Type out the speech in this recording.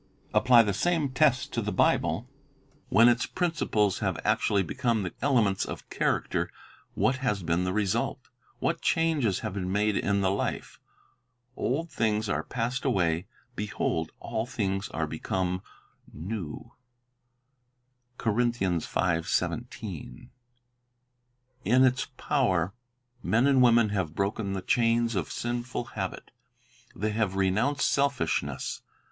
Apply the same test to the Bible: when its principles have actually, become the elements of character, what has been the result? what changes have been made in the life? — "Old Tested by tliincfs are passed away; behold, all things are become Experience . new." 1 In its power, men and women have broken the chains of sinful habit. They have renounced selfish ness.